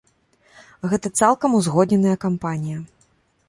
Гэта цалкам узгодненая кампанія.